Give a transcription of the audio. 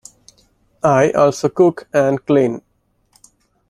I also cook and clean.